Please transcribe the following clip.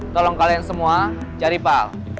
tolong kalian semua cari pak al